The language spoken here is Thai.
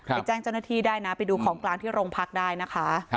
ไปแจ้งเจ้าหน้าที่ได้นะไปดูของกลางที่โรงพักได้นะคะ